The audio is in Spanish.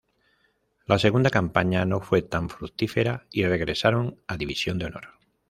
La segunda campaña no fue tan fructífera y regresaron a División de Honor.